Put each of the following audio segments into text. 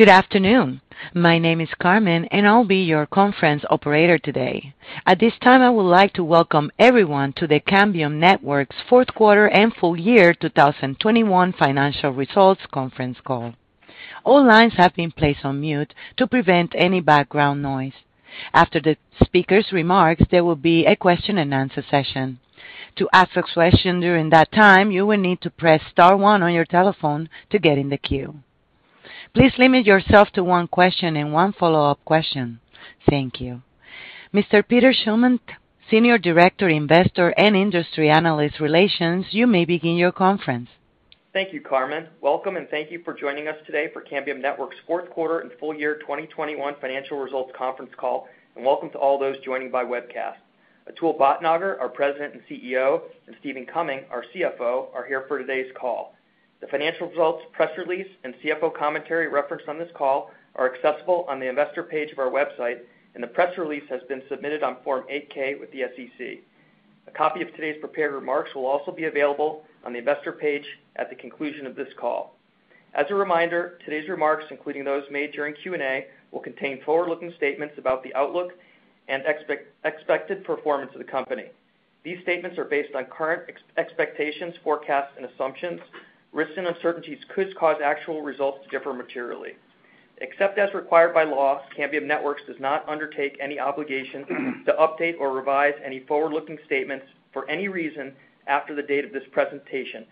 Good afternoon. My name is Carmen, and I'll be your conference operator today. At this time, I would like to welcome everyone to the Cambium Networks' fourth quarter and full year 2021 financial results conference call. All lines have been placed on mute to prevent any background noise. After the speaker's remarks, there will be a question-and-answer session. To ask a question during that time, you will need to press star one on your telephone to get in the queue. Please limit yourself to one question and one follow-up question. Thank you. Mr. Peter Schuman, Senior Director, Investor & Industry Analyst Relations, you may begin your conference. Thank you, Carmen. Welcome and thank you for joining us today for Cambium Networks' fourth quarter and full year 2021 financial results conference call, and welcome to all those joining by webcast. Atul Bhatnagar, our President and CEO, and Stephen Cumming, our CFO, are here for today's call. The financial results, press release, and CFO commentary referenced on this call are accessible on the investor page of our website, and the press release has been submitted on Form 8-K with the SEC. A copy of today's prepared remarks will also be available on the investor page at the conclusion of this call. As a reminder, today's remarks, including those made during Q&A, will contain forward-looking statements about the outlook and expected performance of the company. These statements are based on current expectations, forecasts, and assumptions. Risks and uncertainties could cause actual results to differ materially. Except as required by law, Cambium Networks does not undertake any obligation to update or revise any forward-looking statements for any reason after the date of this presentation,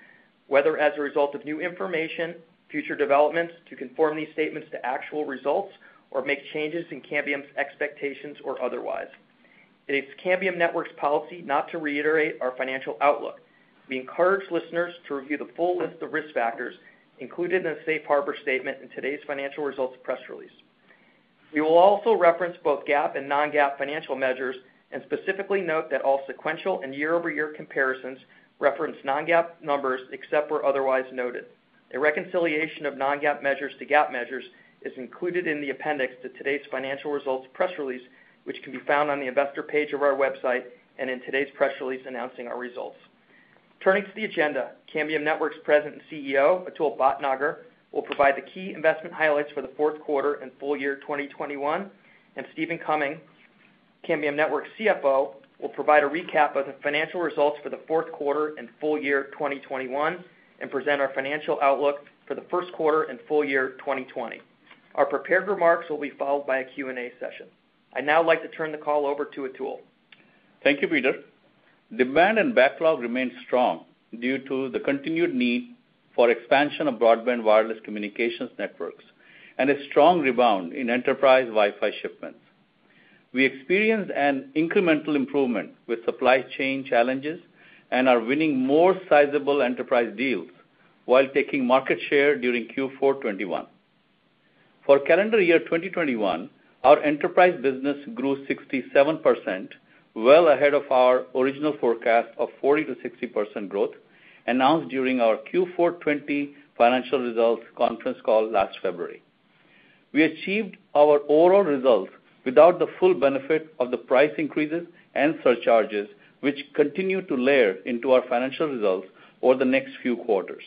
whether as a result of new information, future developments to conform these statements to actual results or make changes in Cambium's expectations or otherwise. It is Cambium Networks' policy not to reiterate our financial outlook. We encourage listeners to review the full list of risk factors included in a safe harbor statement in today's financial results press release. We will also reference both GAAP and non-GAAP financial measures and specifically note that all sequential and year-over-year comparisons reference non-GAAP numbers, except where otherwise noted. A reconciliation of non-GAAP measures to GAAP measures is included in the appendix to today's financial results press release, which can be found on the investor page of our website and in today's press release announcing our results. Turning to the agenda, Cambium Networks President and CEO Atul Bhatnagar will provide the key investment highlights for the fourth quarter and full year 2021, and Stephen Cumming, Cambium Networks CFO, will provide a recap of the financial results for the fourth quarter and full year 2021 and present our financial outlook for the first quarter and full year 2020. Our prepared remarks will be followed by a Q&A session. I'd now like to turn the call over to Atul. Thank you, Peter. Demand and backlog remain strong due to the continued need for expansion of broadband wireless communications networks and a strong rebound in enterprise Wi-Fi shipments. We experienced an incremental improvement with supply chain challenges and are winning more sizable enterprise deals while taking market share during Q4 2021. For calendar year 2021, our enterprise business grew 67%, well ahead of our original forecast of 40%-60% growth announced during our Q4 2020 financial results conference call last February. We achieved our overall results without the full benefit of the price increases and surcharges, which continue to layer into our financial results over the next few quarters.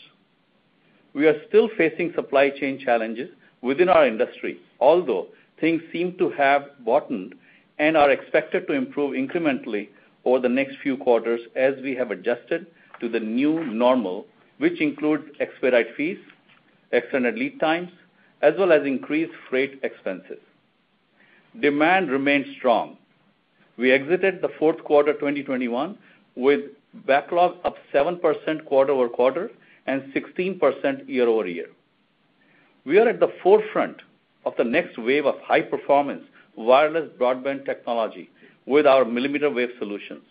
We are still facing supply chain challenges within our industry, although things seem to have bottomed and are expected to improve incrementally over the next few quarters as we have adjusted to the new normal, which include expedite fees, extended lead times, as well as increased freight expenses. Demand remains strong. We exited the fourth quarter 2021 with backlog up 7% quarter-over-quarter and 16% year-over-year. We are at the forefront of the next wave of high-performance wireless broadband technology with our millimeter wave solutions.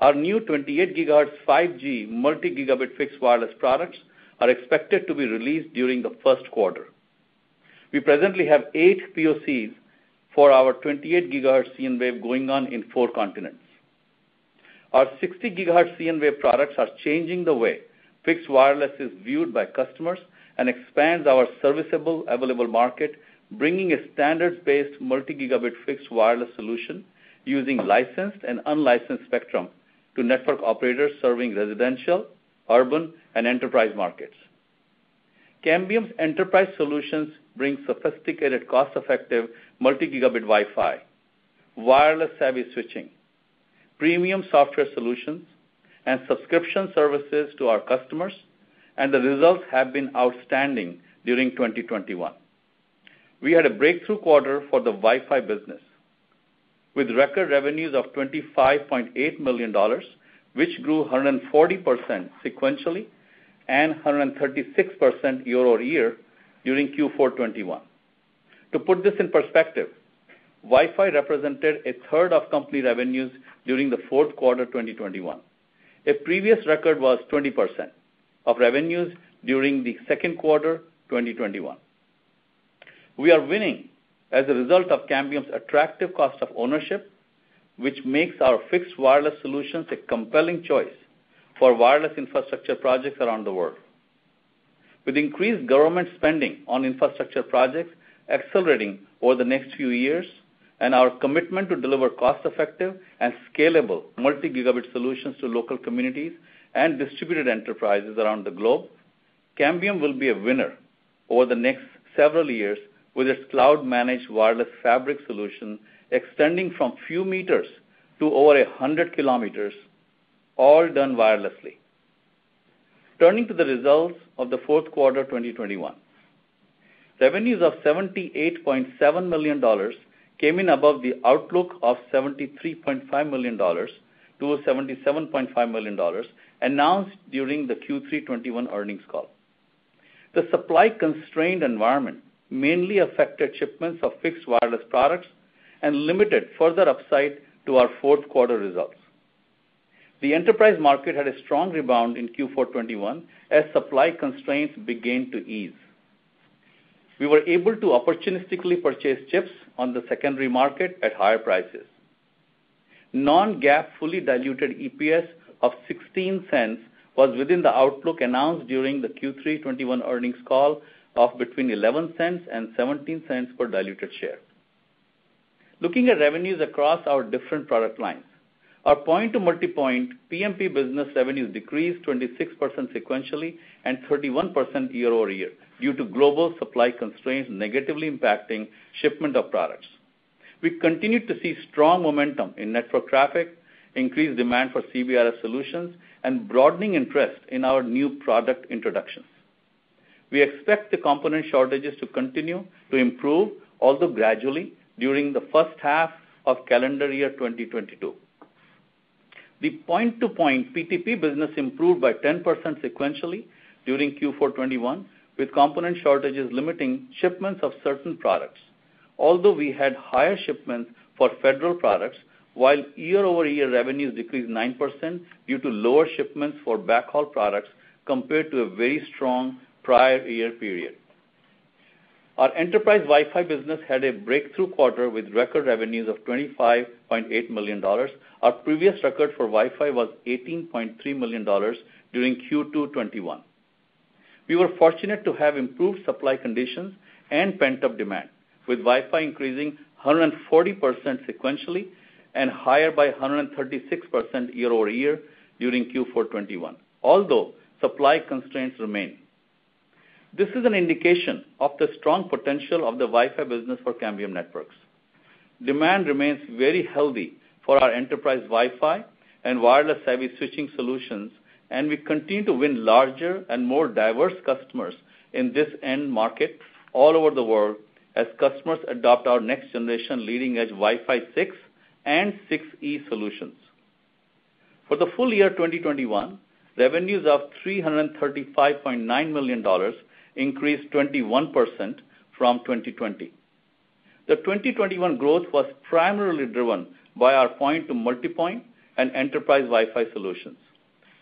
Our new 28 GHz 5G multi-gigabit fixed wireless products are expected to be released during the first quarter. We presently have eight POCs for our 28 GHz cnWave going on in four continents. Our 60 GHz cnWave products are changing the way fixed wireless is viewed by customers and expands our serviceable available market, bringing a standards-based multi-gigabit fixed wireless solution using licensed and unlicensed spectrum to network operators serving residential, urban, and enterprise markets. Cambium's enterprise solutions bring sophisticated, cost-effective multi-gigabit Wi-Fi, wireless savvy switching, premium software solutions, and subscription services to our customers, and the results have been outstanding during 2021. We had a breakthrough quarter for the Wi-Fi business with record revenues of $25.8 million, which grew 140% sequentially and 136% year-over-year during Q4 2021. To put this in perspective, Wi-Fi represented a third of company revenues during the fourth quarter 2021. A previous record was 20% of revenues during the second quarter 2021. We are winning as a result of Cambium's attractive cost of ownership, which makes our fixed wireless solutions a compelling choice for wireless infrastructure projects around the world. With increased government spending on infrastructure projects accelerating over the next few years and our commitment to deliver cost-effective and scalable multi-gigabit solutions to local communities and distributed enterprises around the globe, Cambium will be a winner over the next several years with its cloud-managed wireless fabric solution extending from few meters to over 100 kilometers, all done wirelessly. Turning to the results of the fourth quarter 2021. Revenues of $78.7 million came in above the outlook of $73.5 million-$77.5 million announced during the Q3 2021 earnings call. The supply-constrained environment mainly affected shipments of fixed wireless products and limited further upside to our fourth quarter results. The enterprise market had a strong rebound in Q4 2021 as supply constraints began to ease. We were able to opportunistically purchase chips on the secondary market at higher prices. non-GAAP fully diluted EPS of $0.16 was within the outlook announced during the Q3 2021 earnings call of between $0.11 and $0.17 per diluted share. Looking at revenues across our different product lines. Our point-to-multipoint PMP business revenues decreased 26% sequentially and 31% year-over-year due to global supply constraints negatively impacting shipment of products. We continued to see strong momentum in network traffic, increased demand for CBRS solutions, and broadening interest in our new product introductions. We expect the component shortages to continue to improve, although gradually, during the first half of calendar year 2022. The point-to-point PTP business improved by 10% sequentially during Q4 2021, with component shortages limiting shipments of certain products. Although we had higher shipments for federal products, while year-over-year revenues decreased 9% due to lower shipments for backhaul products compared to a very strong prior year period. Our enterprise Wi-Fi business had a breakthrough quarter with record revenues of $25.8 million. Our previous record for Wi-Fi was $18.3 million during Q2 2021. We were fortunate to have improved supply conditions and pent-up demand, with Wi-Fi increasing 140% sequentially and higher by 136% year-over-year during Q4 2021, although supply constraints remain. This is an indication of the strong potential of the Wi-Fi business for Cambium Networks. Demand remains very healthy for our enterprise Wi-Fi and wireless savvy switching solutions, and we continue to win larger and more diverse customers in this end market all over the world as customers adopt our next-generation leading-edge Wi-Fi 6 and 6E solutions. For the full year 2021, revenues of $335.9 million increased 21% from 2020. The 2021 growth was primarily driven by our point-to-multipoint and enterprise Wi-Fi solutions,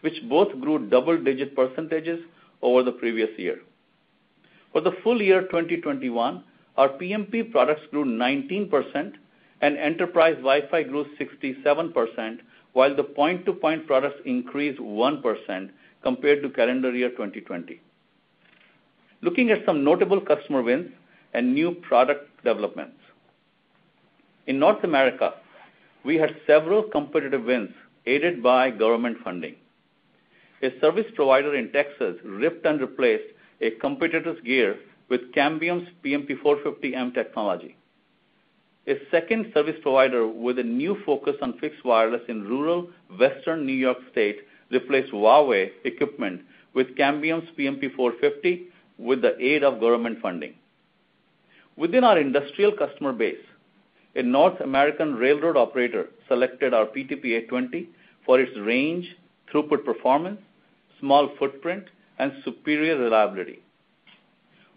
which both grew double-digit percentages over the previous year. For the full year 2021, our PMP products grew 19% and enterprise Wi-Fi grew 67%, while the point-to-point products increased 1% compared to calendar year 2020. Looking at some notable customer wins and new product developments. In North America, we had several competitive wins aided by government funding. A service provider in Texas ripped and replaced a competitor's gear with Cambium's PMP-450M technology. A second service provider with a new focus on fixed wireless in rural western New York State replaced Huawei equipment with Cambium's PMP-450 with the aid of government funding. Within our industrial customer base, a North American railroad operator selected our PTP-820 for its range, throughput performance, small footprint, and superior reliability.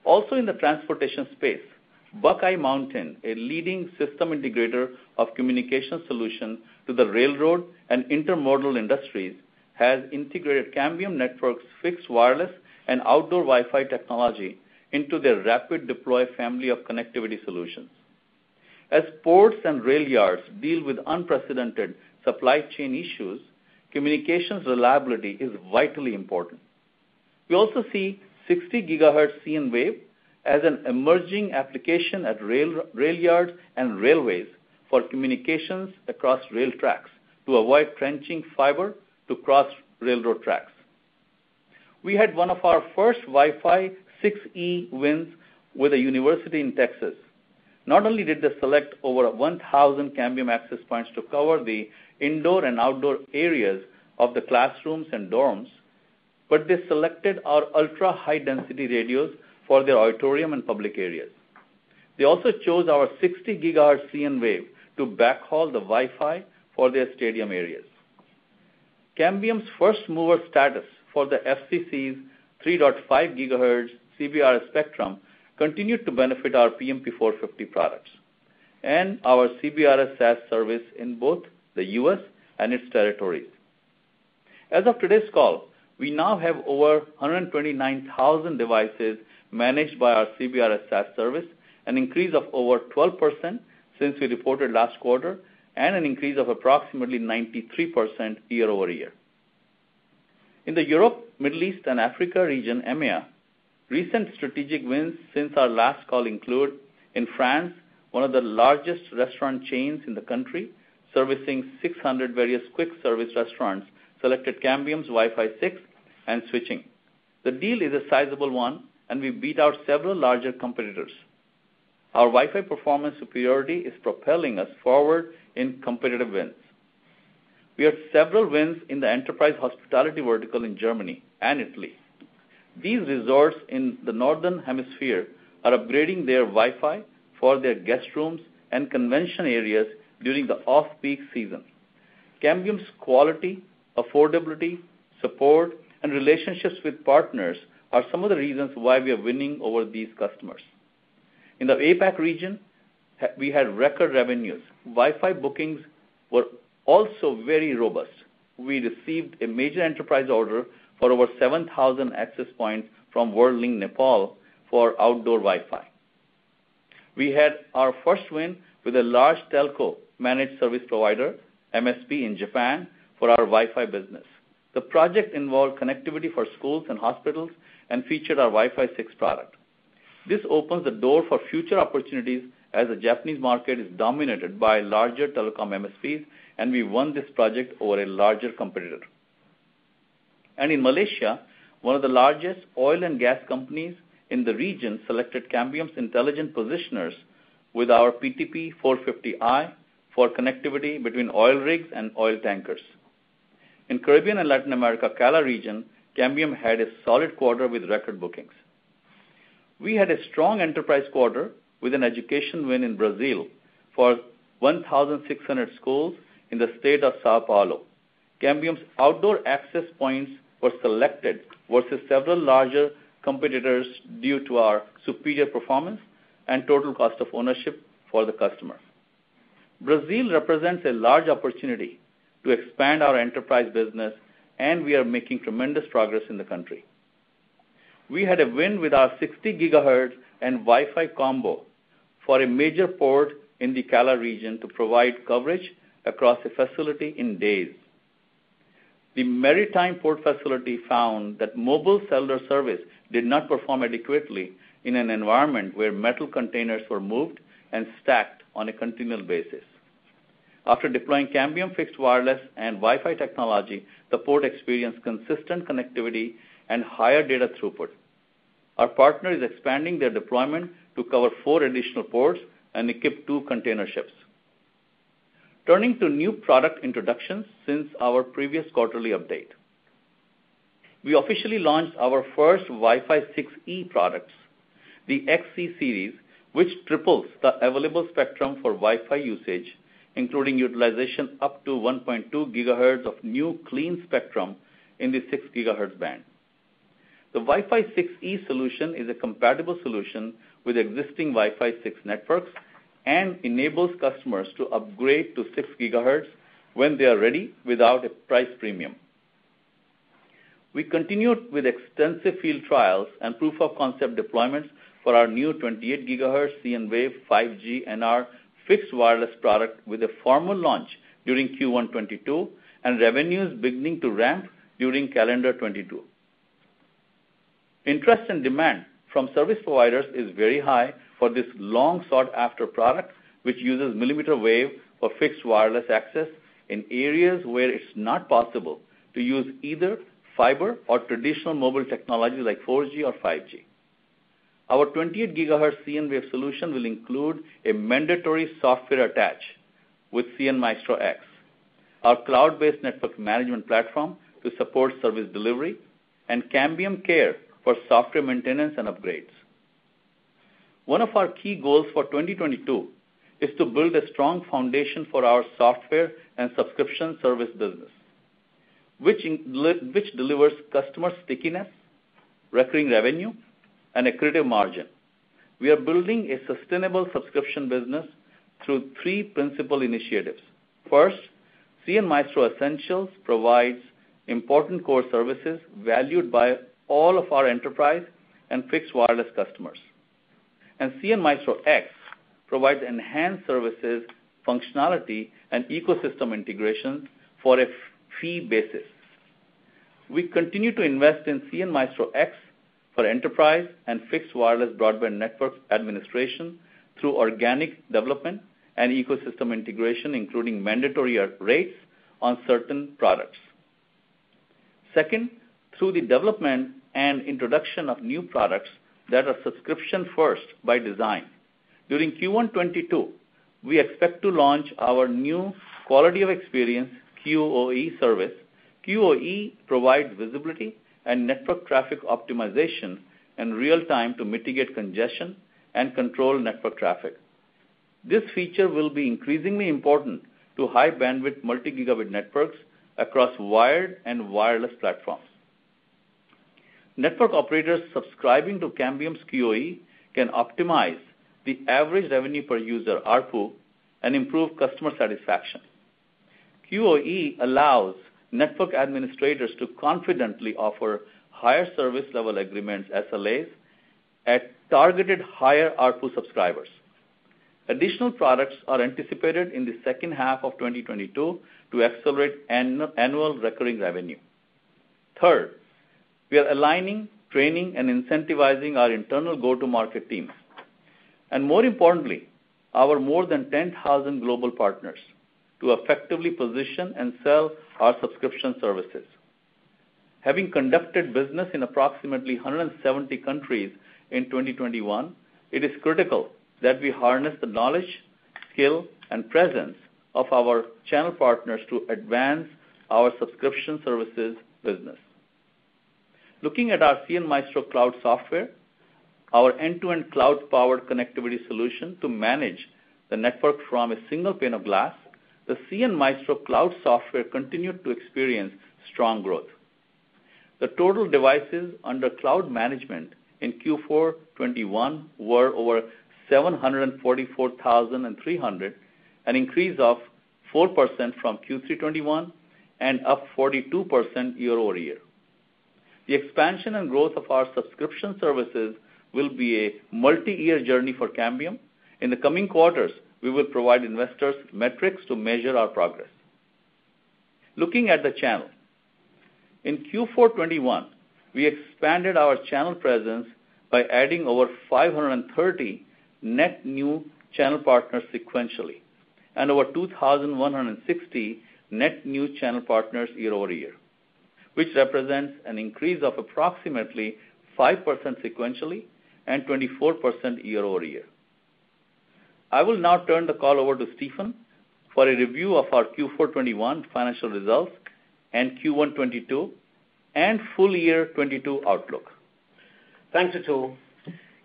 Also, in the transportation space, Buckeye Mountain, a leading system integrator of communication solutions to the railroad and intermodal industries, has integrated Cambium Networks' fixed wireless and outdoor Wi-Fi technology into their rapid deploy family of connectivity solutions. As ports and rail yards deal with unprecedented supply chain issues, communications reliability is vitally important. We also see 60 GHz cnWave as an emerging application at rail yards and railways for communications across rail tracks to avoid trenching fiber to cross railroad tracks. We had one of our first Wi-Fi 6E wins with a university in Texas. Not only did they select over 1,000 Cambium access points to cover the indoor and outdoor areas of the classrooms and dorms, but they selected our ultra-high-density radios for their auditorium and public areas. They also chose our 60 GHz cnWave to backhaul the Wi-Fi for their stadium areas. Cambium's first-mover status for the FCC's 3.5 GHz CBRS spectrum continued to benefit our PMP 450 products and our CBRS SAS service in both the U.S. and its territories. As of today's call, we now have over 129,000 devices managed by our CBRS SAS service, an increase of over 12% since we reported last quarter and an increase of approximately 93% year-over-year. In the Europe, Middle East, and Africa region, EMEA, recent strategic wins since our last call include in France, one of the largest restaurant chains in the country, servicing 600 various quick service restaurants, selected Cambium's Wi-Fi 6 and switching. The deal is a sizable one, and we beat out several larger competitors. Our Wi-Fi performance superiority is propelling us forward in competitive wins. We have several wins in the enterprise hospitality vertical in Germany and Italy. These resorts in the Northern Hemisphere are upgrading their Wi-Fi for their guest rooms and convention areas during the off-peak season. Cambium's quality, affordability, support, and relationships with partners are some of the reasons why we are winning over these customers. In the APAC region, we had record revenues. Wi-Fi bookings were also very robust. We received a major enterprise order for over 7,000 access points from WorldLink Nepal for outdoor Wi-Fi. We had our first win with a large telco managed service provider, MSP, in Japan for our Wi-Fi business. The project involved connectivity for schools and hospitals and featured our Wi-Fi 6 product. This opens the door for future opportunities as the Japanese market is dominated by larger telecom MSPs, and we won this project over a larger competitor. In Malaysia, one of the largest oil and gas companies in the region selected Cambium's Intelligent Positioners with our PTP 450i for connectivity between oil rigs and oil tankers. In Caribbean and Latin America, CALA region, Cambium had a solid quarter with record bookings. We had a strong enterprise quarter with an education win in Brazil for 1,600 schools in the state of São Paulo. Cambium's outdoor access points were selected versus several larger competitors due to our superior performance and total cost of ownership for the customer. Brazil represents a large opportunity to expand our enterprise business, and we are making tremendous progress in the country. We had a win with our 60 GHz and Wi-Fi combo for a major port in the CALA region to provide coverage across the facility in days. The maritime port facility found that mobile cellular service did not perform adequately in an environment where metal containers were moved and stacked on a continual basis. After deploying Cambium fixed wireless and Wi-Fi technology, the port experienced consistent connectivity and higher data throughput. Our partner is expanding their deployment to cover four additional ports and equip two container ships. Turning to new product introductions since our previous quarterly update. We officially launched our first Wi-Fi 6E products, the XE series, which triples the available spectrum for Wi-Fi usage, including utilization up to 1.2 GHz of new clean spectrum in the 6 GHz band. The Wi-Fi 6E solution is a compatible solution with existing Wi-Fi 6 networks and enables customers to upgrade to 6 GHz when they are ready without a price premium. We continued with extensive field trials and proof of concept deployments for our new 28 GHz cnWave 5G NR fixed wireless product with a formal launch during Q1 2022 and revenues beginning to ramp during calendar 2022. Interest and demand from service providers is very high for this long sought-after product which uses millimeter wave for fixed wireless access in areas where it's not possible to use either fiber or traditional mobile technology like 4G or 5G. Our 28 GHz cnWave solution will include a mandatory software attach with cnMaestro X, our cloud-based network management platform to support service delivery and Cambium Care for software maintenance and upgrades. One of our key goals for 2022 is to build a strong foundation for our software and subscription service business, which delivers customer stickiness, recurring revenue, and accretive margin. We are building a sustainable subscription business through three principal initiatives. First, cnMaestro Essentials provides important core services valued by all of our enterprise and fixed wireless customers and cnMaestro X provides enhanced services, functionality, and ecosystem integration for a fee basis. We continue to invest in cnMaestro X for enterprise and fixed wireless broadband networks administration through organic development and ecosystem integration, including mandatory rates on certain products. Second, through the development and introduction of new products that are subscription first by design. During Q1 2022, we expect to launch our new quality of experience, QoE service. QoE provides visibility and network traffic optimization in real-time to mitigate congestion and control network traffic. This feature will be increasingly important to high bandwidth multi-gigabit networks across wired and wireless platforms. Network operators subscribing to Cambium's QoE can optimize the average revenue per user, ARPU, and improve customer satisfaction. QoE allows network administrators to confidently offer higher service level agreements, SLAs, at targeted higher ARPU subscribers. Additional products are anticipated in the second half of 2022 to accelerate annual recurring revenue. Third, we are aligning, training, and incentivizing our internal go-to-market teams, and more importantly, our more than 10,000 global partners to effectively position and sell our subscription services. Having conducted business in approximately 170 countries in 2021, it is critical that we harness the knowledge, skill, and presence of our channel partners to advance our subscription services business. Looking at our cnMaestro cloud software, our end-to-end cloud powered connectivity solution to manage the network from a single pane of glass, the cnMaestro cloud software continued to experience strong growth. The total devices under cloud management in Q4 2021 were over 744,300, an increase of 4% from Q3 2021 and up 42% year-over-year. The expansion and growth of our subscription services will be a multi-year journey for Cambium. In the coming quarters, we will provide investors metrics to measure our progress. Looking at the channel, in Q4 2021, we expanded our channel presence by adding over 530 net new channel partners sequentially, and over 2,160 net new channel partners year-over-year, which represents an increase of approximately 5% sequentially and 24% year-over-year. I will now turn the call over to Stephen for a review of our Q4 2021 financial results and Q1 2022 and full year 2022 outlook. Thanks, Atul.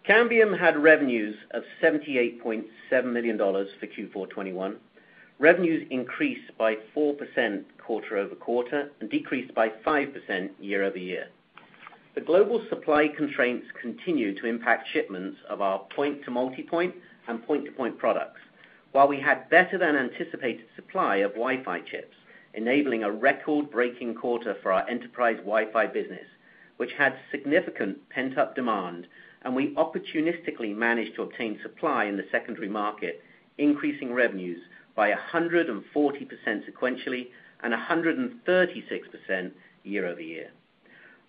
Cambium had revenues of $78.7 million for Q4 2021. Revenues increased by 4% quarter-over-quarter and decreased by 5% year-over-year. The global supply constraints continued to impact shipments of our point-to-multipoint and point-to-point products. While we had better than anticipated supply of Wi-Fi chips, enabling a record-breaking quarter for our enterprise Wi-Fi business, which had significant pent-up demand, and we opportunistically managed to obtain supply in the secondary market, increasing revenues by 140% sequentially and 136% year-over-year.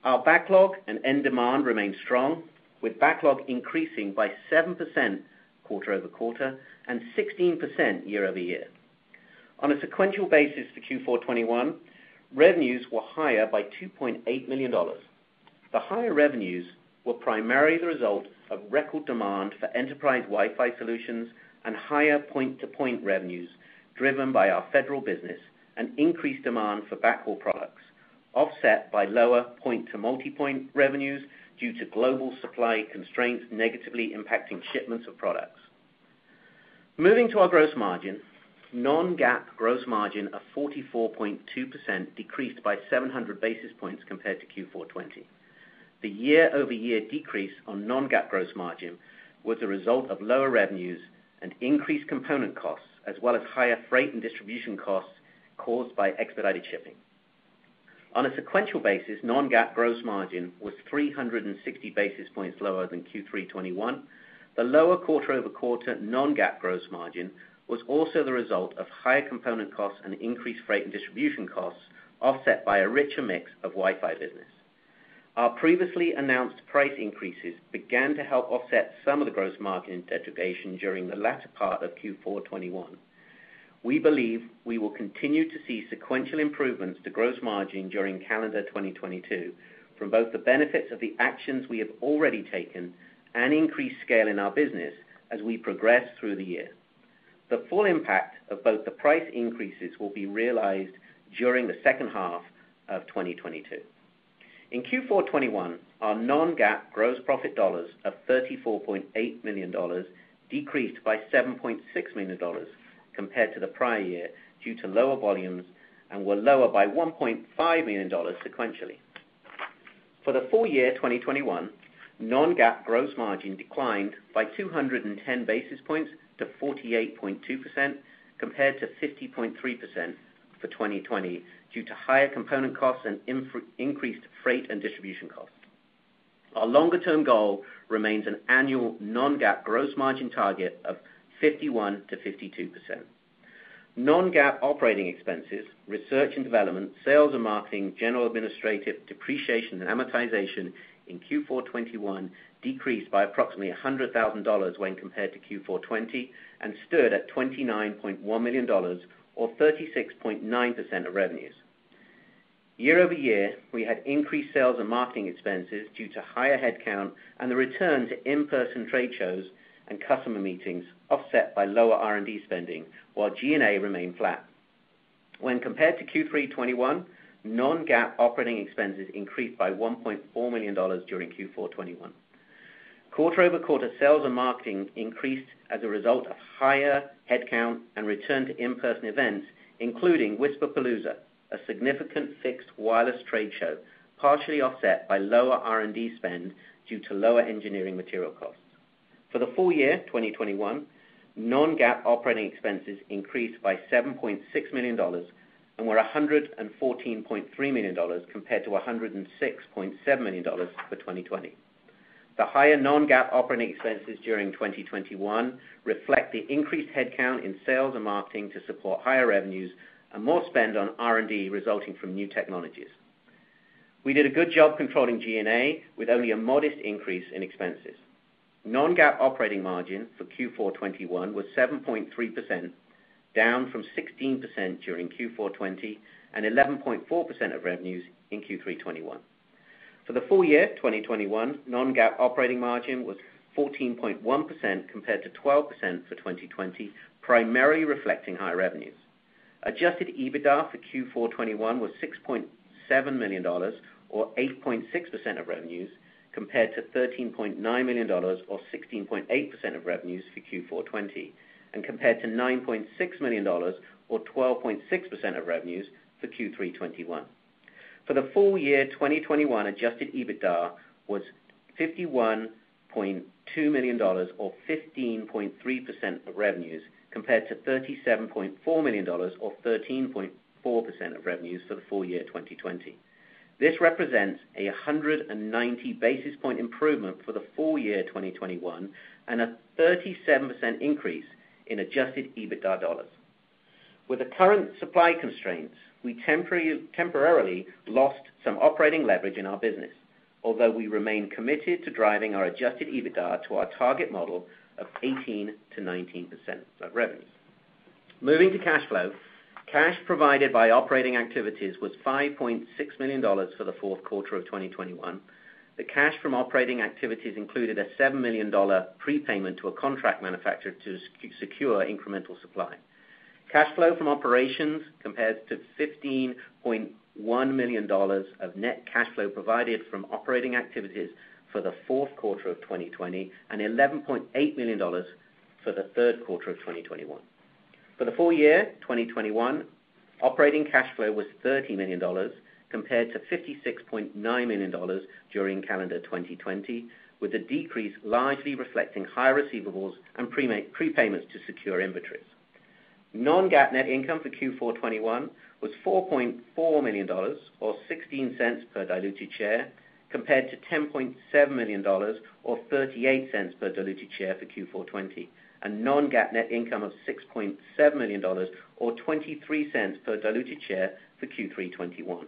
Our backlog and end demand remained strong, with backlog increasing by 7% quarter-over-quarter and 16% year-over-year. On a sequential basis for Q4 2021, revenues were higher by $2.8 million. The higher revenues were primarily the result of record demand for enterprise Wi-Fi solutions and higher point to point revenues driven by our federal business and increased demand for backhaul products, offset by lower point-to-multipoint revenues due to global supply constraints negatively impacting shipments of products. Moving to our gross margin. non-GAAP gross margin of 44.2% decreased by 700 basis points compared to Q4 2020. The year-over-year decrease on non-GAAP gross margin was a result of lower revenues and increased component costs, as well as higher freight and distribution costs caused by expedited shipping. On a sequential basis, non-GAAP gross margin was 360 basis points lower than Q3 2021. The lower quarter-over-quarter non-GAAP gross margin was also the result of higher component costs and increased freight and distribution costs, offset by a richer mix of Wi-Fi business. Our previously announced price increases began to help offset some of the gross margin degradation during the latter part of Q4 2021. We believe we will continue to see sequential improvements to gross margin during calendar 2022 from both the benefits of the actions we have already taken and increased scale in our business as we progress through the year. The full impact of both the price increases will be realized during the second half of 2022. In Q4 2021, our non-GAAP gross profit dollars of $34.8 million decreased by $7.6 million compared to the prior year due to lower volumes and were lower by $1.5 million sequentially. For the full year 2021, non-GAAP gross margin declined by 210 basis points to 48.2% compared to 50.3% for 2020 due to higher component costs and increased freight and distribution costs. Our longer term goal remains an annual non-GAAP gross margin target of 51%-52%. Non-GAAP operating expenses, research and development, sales and marketing, general administrative depreciation and amortization in Q4 2021 decreased by approximately $100,000 when compared to Q4 2020 and stood at $29.1 million or 36.9% of revenues. Year-over-year, we had increased sales and marketing expenses due to higher headcount and the return to in-person trade shows and customer meetings offset by lower R&D spending while G&A remained flat. When compared to Q3 2021, non-GAAP operating expenses increased by $1.4 million during Q4 2021. Quarter-over-quarter, sales and marketing increased as a result of higher headcount and return to in-person events, including WISPAPALOOZA, a significant fixed wireless trade show, partially offset by lower R&D spend due to lower engineering material costs. For the full year 2021, non-GAAP operating expenses increased by $7.6 million and were $114.3 million compared to $106.7 million for 2020. The higher non-GAAP operating expenses during 2021 reflect the increased headcount in sales and marketing to support higher revenues and more spend on R&D resulting from new technologies. We did a good job controlling G&A, with only a modest increase in expenses. Non-GAAP operating margin for Q4 2021 was 7.3%, down from 16% during Q4 2020, and 11.4% of revenues in Q3 2021. For the full year 2021, non-GAAP operating margin was 14.1% compared to 12% for 2020, primarily reflecting higher revenues. Adjusted EBITDA for Q4 2021 was $6.7 million or 8.6% of revenues, compared to $13.9 million or 16.8% of revenues for Q4 2020, and compared to $9.6 million or 12.6% of revenues for Q3 2021. For the full year 2021, Adjusted EBITDA was $51.2 million or 15.3% of revenues, compared to $37.4 million or 13.4% of revenues for the full year 2020. This represents a 190 basis point improvement for the full year 2021 and a 37% increase in Adjusted EBITDA dollars. With the current supply constraints, we temporarily lost some operating leverage in our business, although we remain committed to driving our Adjusted EBITDA to our target model of 18%-19% of revenues. Moving to cash flow. Cash provided by operating activities was $5.6 million for the fourth quarter of 2021. The cash from operating activities included a $7 million prepayment to a contract manufacturer to secure incremental supply. Cash flow from operations compares to $15.1 million of net cash flow provided from operating activities for the fourth quarter of 2020 and $11.8 million for the third quarter of 2021. For the full year 2021, operating cash flow was $30 million compared to $56.9 million during calendar 2020, with the decrease largely reflecting higher receivables and prepayments to secure inventories. Non-GAAP net income for Q4 2021 was $4.4 million or $0.16 per diluted share, compared to $10.7 million or $0.38 per diluted share for Q4 2020, and non-GAAP net income of $6.7 million or $0.23 per diluted share for Q3 2021.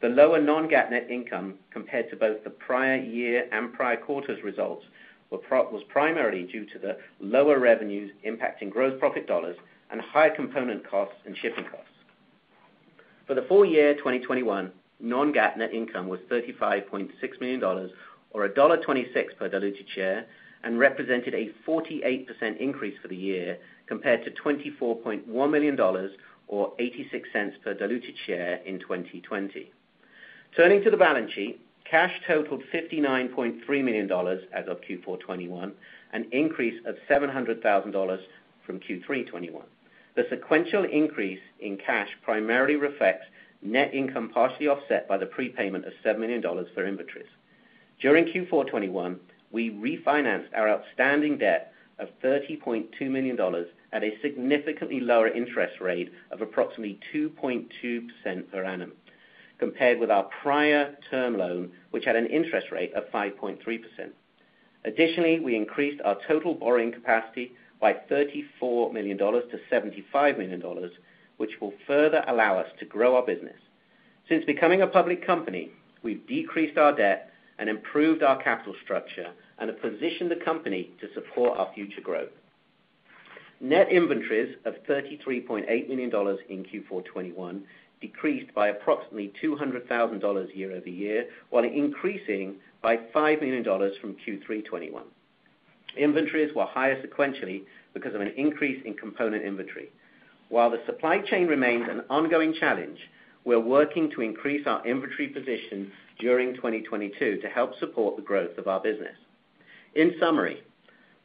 The lower non-GAAP net income compared to both the prior year and prior quarters results was primarily due to the lower revenues impacting gross profit dollars and higher component costs and shipping costs. For the full year 2021, non-GAAP net income was $35.6 million or $1.26 per diluted share and represented a 48% increase for the year compared to $24.1 million or $0.86 per diluted share in 2020. Turning to the balance sheet, cash totaled $59.3 million as of Q4 2021, an increase of $700,000 from Q3 2021. The sequential increase in cash primarily reflects net income partially offset by the prepayment of $7 million for inventories. During Q4 2021, we refinanced our outstanding debt of $30.2 million at a significantly lower interest rate of approximately 2.2% per annum, compared with our prior term loan, which had an interest rate of 5.3%. Additionally, we increased our total borrowing capacity by $34 million to $75 million, which will further allow us to grow our business. Since becoming a public company, we've decreased our debt and improved our capital structure and have positioned the company to support our future growth. Net inventories of $33.8 million in Q4 2021 decreased by approximately $200,000 year-over-year, while increasing by $5 million from Q3 2021. Inventories were higher sequentially because of an increase in component inventory. While the supply chain remains an ongoing challenge, we're working to increase our inventory position during 2022 to help support the growth of our business. In summary,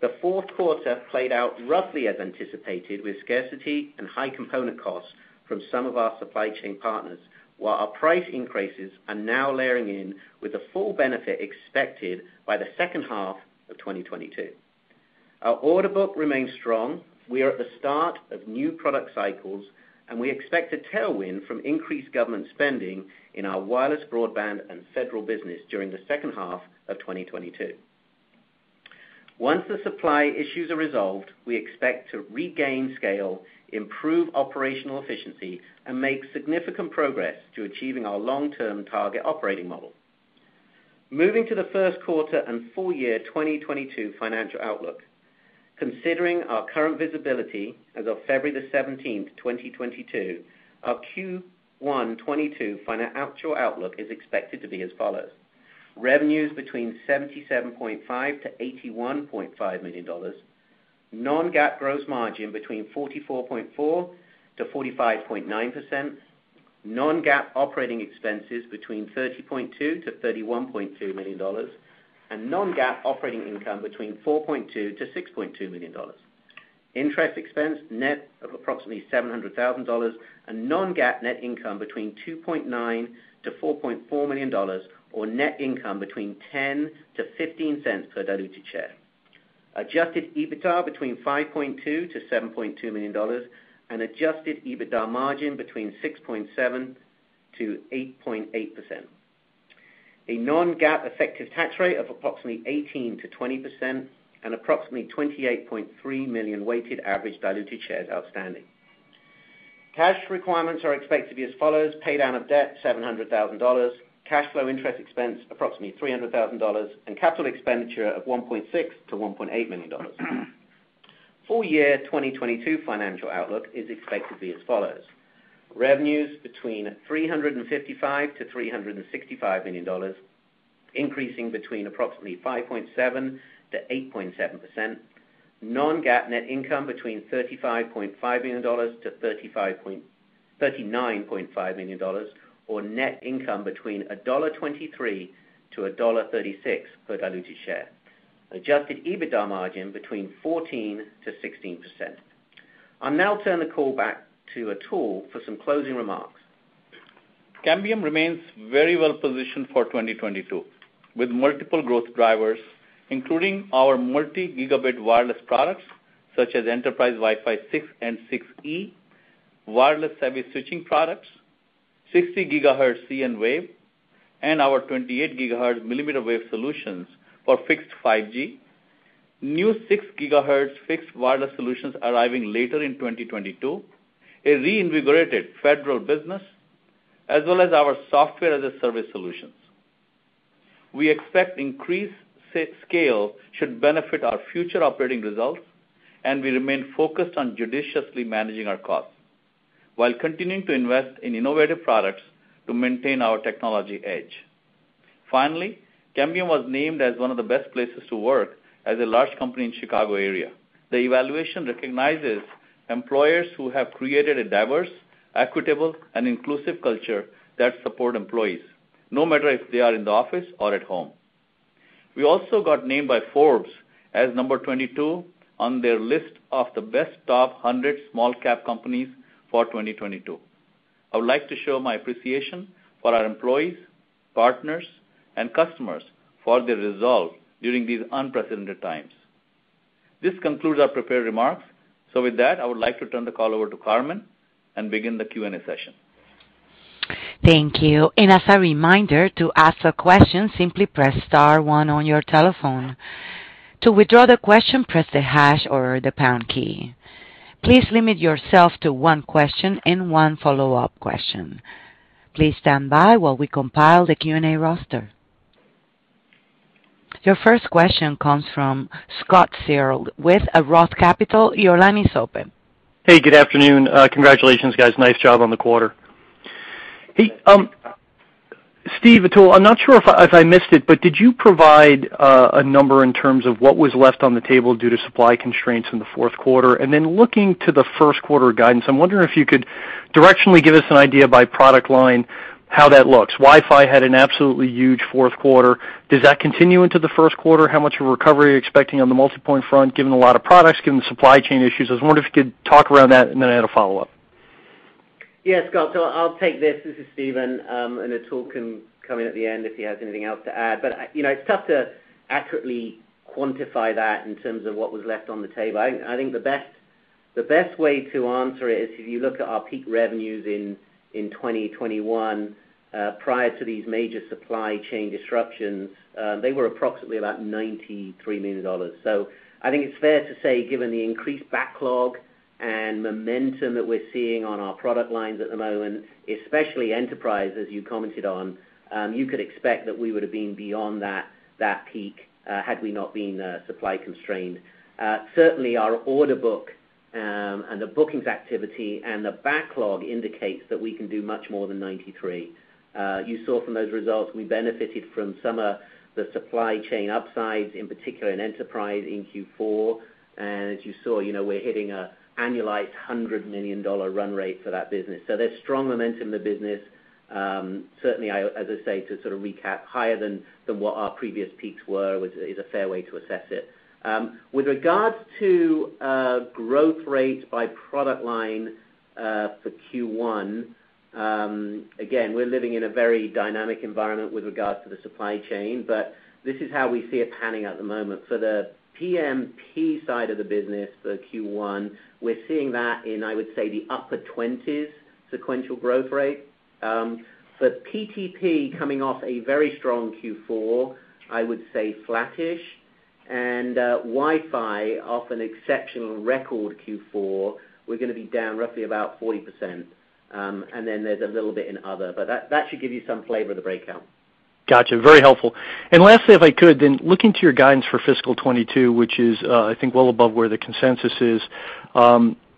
the fourth quarter played out roughly as anticipated with scarcity and high component costs from some of our supply chain partners, while our price increases are now layering in with the full benefit expected by the second half of 2022. Our order book remains strong. We are at the start of new product cycles, and we expect a tailwind from increased government spending in our wireless broadband and federal business during the second half of 2022. Once the supply issues are resolved, we expect to regain scale, improve operational efficiency, and make significant progress to achieving our long-term target operating model. Moving to the first quarter and full year 2022 financial outlook. Considering our current visibility as of February 17, 2022, our Q1 2022 actual outlook is expected to be as follows: revenues between $77.5 million-$81.5 million, non-GAAP gross margin between 44.4%-45.9%, non-GAAP operating expenses between $30.2 million-$31.2 million, and non-GAAP operating income between $4.2 million-$6.2 million. Interest expense net of approximately $700,000 and non-GAAP net income between $2.9 million-$4.4 million or net income between $0.10–$0.15 per diluted share. Adjusted EBITDA between $5.2 million-$7.2 million, and Adjusted EBITDA margin between 6.7%-8.8%. A non-GAAP effective tax rate of approximately 18%-20% and approximately 28.3 million weighted average diluted shares outstanding. Cash requirements are expected to be as follows. Pay down of debt, $700,000, cash flow interest expense, approximately $300,000, and capital expenditure of $1.6 million-$1.8 million. Full year 2022 financial outlook is expected to be as follows. Revenues between $355 million-$365 million, increasing between approximately 5.7%-8.7%. Non-GAAP net income between $35.5 million-$39.5 million, or net income between $1.23-$1.36 per diluted share. Adjusted EBITDA margin between 14%-16%. I'll now turn the call back to Atul for some closing remarks. Cambium remains very well positioned for 2022, with multiple growth drivers, including our multi-gigabit wireless products, such as enterprise Wi-Fi 6 and 6E, wireless service switching products, 60 GHz cnWave, and our 28 GHz millimeter wave solutions for fixed 5G, new 6 GHz fixed wireless solutions arriving later in 2022, a reinvigorated federal business, as well as our software as a service solutions. We expect increased SaaS scale should benefit our future operating results, and we remain focused on judiciously managing our costs while continuing to invest in innovative products to maintain our technology edge. Finally, Cambium was named as one of the best places to work as a large company in Chicago area. The evaluation recognizes employers who have created a diverse, equitable, and inclusive culture that support employees, no matter if they are in the office or at home. We also got named by Forbes as number 22 on their list of the best top 100 small cap companies for 2022. I would like to show my appreciation for our employees, partners, and customers for their resolve during these unprecedented times. This concludes our prepared remarks. With that, I would like to turn the call over to Carmen and begin the Q&A session. Thank you. As a reminder to ask a question, simply press star one on your telephone. To withdraw the question, press the hash or the pound key. Please limit yourself to one question and one follow-up question. Please stand by while we compile the Q&A roster. Your first question comes from Scott Searle with Roth Capital. Your line is open. Hey, good afternoon. Congratulations, guys. Nice job on the quarter. Hey, Stephen, Atul, I'm not sure if I missed it, but did you provide a number in terms of what was left on the table due to supply constraints in the fourth quarter? and then looking to the first quarter guidance, I'm wondering if you could directionally give us an idea by product line how that looks. Wi-Fi had an absolutely huge fourth quarter. Does that continue into the first quarter? How much of a recovery are you expecting on the multi-point front, given a lot of products, given the supply chain issues? I was wondering if you could talk around that, and then I had a follow-up. Yeah, Scott, I'll take this. This is Stephen, and Atul can come in at the end if he has anything else to add. You know, it's tough to accurately quantify that in terms of what was left on the table. I think the best way to answer it is if you look at our peak revenues in 2021 prior to these major supply chain disruptions. They were approximately about $93 million. So I think it's fair to say, given the increased backlog and momentum that we're seeing on our product lines at the moment, especially enterprise, as you commented on, you could expect that we would have been beyond that peak had we not been supply constrained. Certainly, our order book, and the bookings activity and the backlog indicates that we can do much more than 93. You saw from those results, we benefited from some of the supply chain upsides, in particular in enterprise in Q4. As you saw, you know, we're hitting an annualized $100 million run rate for that business. There's strong momentum in the business. Certainly, I, as I say, to sort of recap higher than what our previous peaks were, which is a fair way to assess it. With regards to growth rate by product line for Q1, again, we're living in a very dynamic environment with regards to the supply chain, but this is how we see it panning at the moment. For the PMP side of the business for Q1, we're seeing that in, I would say, the upper 20s sequential growth rate. For PTP coming off a very strong Q4, I would say flattish. Wi-Fi off an exceptional record Q4, we're gonna be down roughly about 40%, and then there's a little bit in other, but that should give you some flavor of the breakout. Got you. Very helpful. Lastly, if I could, then looking to your guidance for fiscal 2022, which is, I think well above where the consensus is,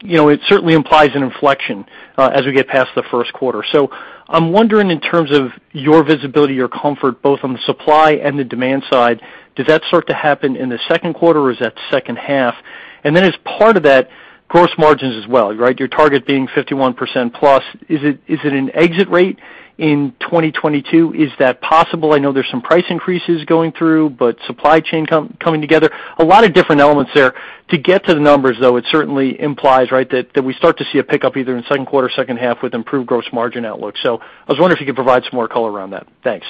you know, it certainly implies an inflection, as we get past the first quarter. So I'm wondering in terms of your visibility, your comfort, both on the supply and the demand side, does that start to happen in the second quarter, or is that second half? Then as part of that, gross margins as well, right? Your target being 51%+, is it an exit rate in 2022? Is that possible? I know there's some price increases going through, but supply chain coming together, a lot of different elements there. To get to the numbers, though, it certainly implies, right, that we start to see a pickup either in second quarter, second half with improved gross margin outlook. I was wondering if you could provide some more color around that? Thanks.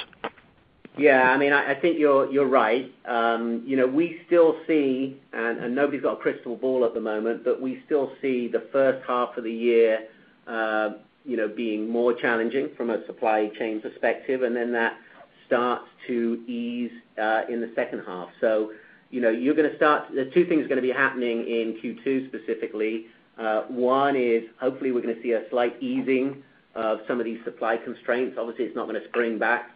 Yeah, I mean, I think you're right. You know, we still see, and nobody's got a crystal ball at the moment, but we still see the first half of the year, you know, being more challenging from a supply chain perspective, and then that starts to ease in the second half. You know, the two things are gonna be happening in Q2 specifically. One is, hopefully, we're gonna see a slight easing of some of these supply constraints. Obviously, it's not gonna spring back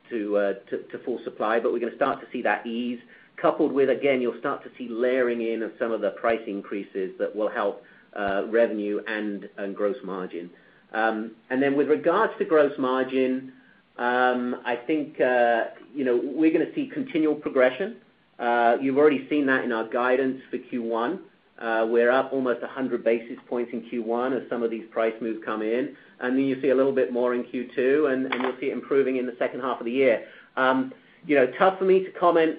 to full supply, but we're gonna start to see that ease. Coupled with, again, you'll start to see layering in of some of the price increases that will help revenue and gross margin. With regards to gross margin, I think, you know, we're gonna see continual progression. You've already seen that in our guidance for Q1. We're up almost 100 basis points in Q1 as some of these price moves come in. You see a little bit more in Q2, and you'll see it improving in the second half of the year. You know, tough for me to comment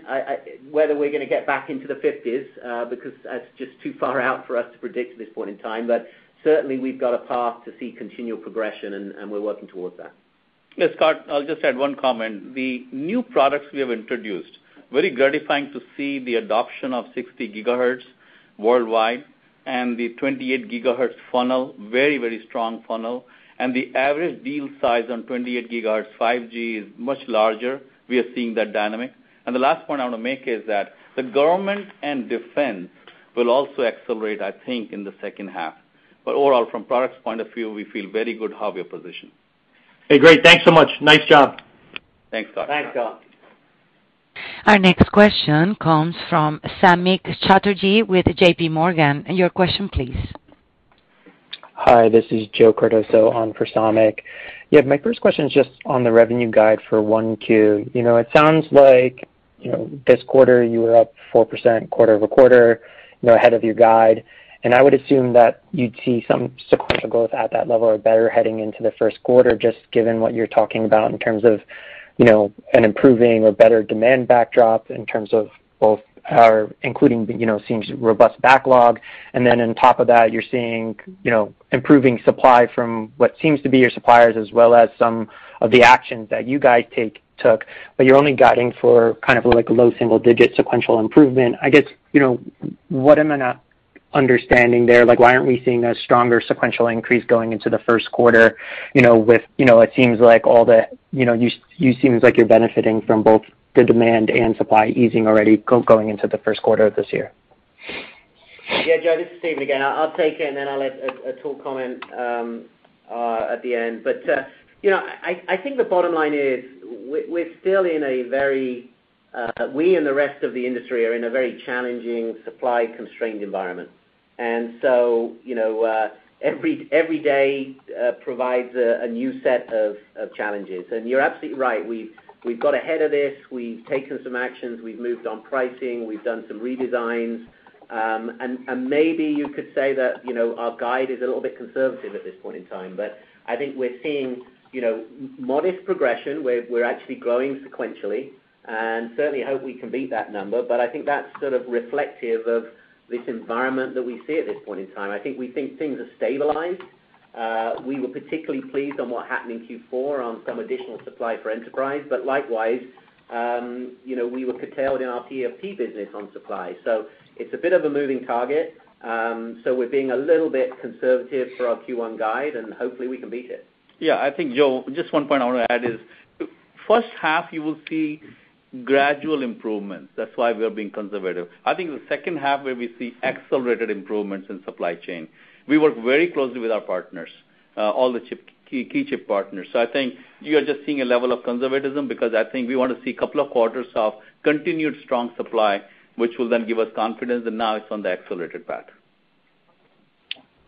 whether we're gonna get back into the fifties, because that's just too far out for us to predict at this point in time, but certainly, we've got a path to see continual progression, and we're working towards that. Yes, Scott, I'll just add one comment. The new products we have introduced, very gratifying to see the adoption of 60 GHz worldwide and the 28 GHz funnel, very, very strong funnel. The average deal size on 28 GHz 5G is much larger. We are seeing that dynamic. The last point I want to make is that the government and defense will also accelerate, I think, in the second half. Overall, from products point of view, we feel very good how we are positioned. Hey, great. Thanks so much. Nice job. Thanks, Scott. Thanks, Scott. Our next question comes from Samik Chatterjee with JPMorgan. Your question please. Hi, this is Joe Cardoso on for Samik. Yeah, my first question is just on the revenue guide for 1Q. You know, it sounds like, you know, this quarter you were up 4% quarter-over-quarter, you know, ahead of your guide. I would assume that you'd see some sequential growth at that level or better heading into the first quarter, just given what you're talking about in terms of, you know, an improving or better demand backdrop in terms of both, including, you know, seems robust backlog. Then on top of that, you're seeing, you know, improving supply from what seems to be your suppliers as well as some of the actions that you guys took, but you're only guiding for kind of like a low single-digit sequential improvement. I guess, you know, what am I not understanding there? Like, why aren't we seeing a stronger sequential increase going into the first quarter, you know, with, you know, it seems like all the, you know, you seem like you're benefiting from both the demand and supply easing already going into the first quarter of this year? Yeah, Joe, this is Stephen again. I'll take it, and then I'll let Atul comment at the end. You know, I think the bottom line is we and the rest of the industry are in a very challenging supply constrained environment. You know, every day provides a new set of challenges. You're absolutely right. We've got ahead of this. We've taken some actions. We've moved on pricing. We've done some redesigns. Maybe you could say that you know, our guide is a little bit conservative at this point in time. I think we're seeing you know, modest progression where we're actually growing sequentially, and certainly hope we can beat that number. I think that's sort of reflective of this environment that we see at this point in time. I think we think things are stabilized. We were particularly pleased on what happened in Q4 on some additional supply for enterprise. Likewise, you know, we were curtailed in our [PMP] business on supply. It's a bit of a moving target. We're being a little bit conservative for our Q1 guide, and hopefully, we can beat it. Yeah. I think, Joe, just one point I want to add is first half you will see gradual improvements. That's why we are being conservative. I think the second half where we see accelerated improvements in supply chain. We work very closely with our partners, all the chip, key chip partners. So I think you are just seeing a level of conservatism because I think we wanna see couple of quarters of continued strong supply, which will then give us confidence that now it's on the accelerated path.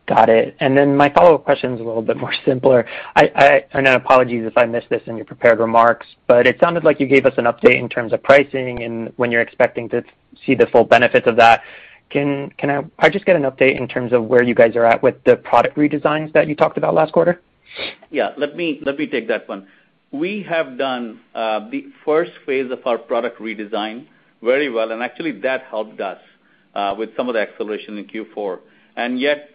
Got it. My follow-up question is a little bit more simpler. Apologies if I missed this in your prepared remarks, but it sounded like you gave us an update in terms of pricing and when you're expecting to see the full benefits of that. Can I just get an update in terms of where you guys are at with the product redesigns that you talked about last quarter? Yeah, let me take that one. We have done the first phase of our product redesign very well, and actually that helped us with some of the acceleration in Q4. Yet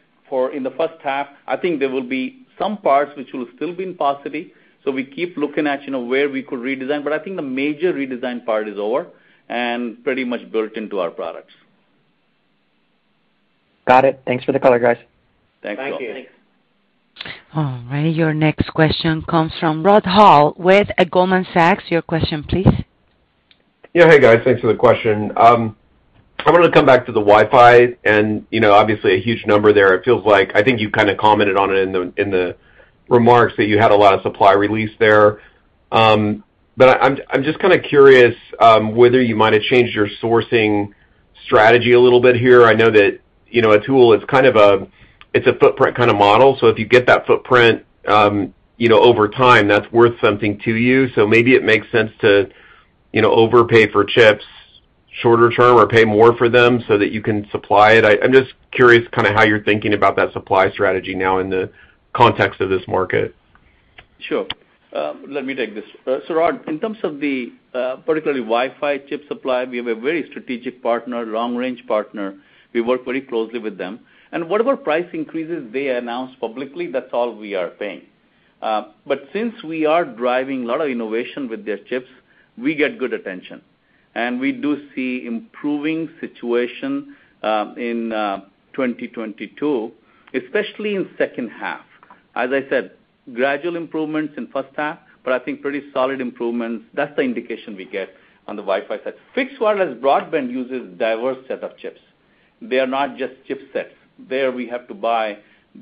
in the first half, I think there will be some parts which will still be in paucity, so we keep looking at, you know, where we could redesign, but I think the major redesign part is over and pretty much built into our products. Got it. Thanks for the color, guys. Thanks, Joe. Thank you. All right. Your next question comes from Rod Hall with Goldman Sachs. Your question please. Yeah. Hey, guys. Thanks for the question. I wanted to come back to the Wi-Fi and, you know, obviously a huge number there. It feels like I think you kind of commented on it in the remarks that you had a lot of supply release there. But I'm just kind of curious whether you might have changed your sourcing strategy a little bit here. I know that, you know, Atul, it's a footprint kind of model, so if you get that footprint, you know, over time, that's worth something to you. So maybe it makes sense to, you know, overpay for chips shorter term or pay more for them so that you can supply it. I'm just curious kind of how you're thinking about that supply strategy now in the context of this market. Sure. Let me take this. So Rod, in terms of the particularly Wi-Fi chip supply, we have a very strategic partner, long-range partner. We work very closely with them. Whatever price increases they announce publicly, that's all we are paying. But since we are driving a lot of innovation with their chips, we get good attention. We do see improving situation in 2022, especially in second half. As I said, gradual improvements in first half, but I think pretty solid improvements. That's the indication we get on the Wi-Fi side. Fixed wireless broadband uses diverse set of chips. They are not just chipsets. There we have to buy